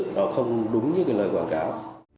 nó không đúng như cái loại quảng cáo